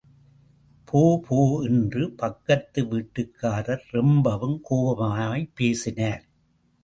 போ, போ. என்று பக்கத்து வீட்டுக்காரர் ரொம்பவும் கோபமாய்ப் பேசினார்.